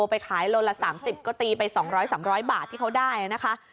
ไปขายโลละสามสิบก็ตีไปสองร้อยสามร้อยบาทที่เขาได้นะคะ